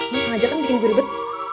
bisa aja kan bikin gue rebet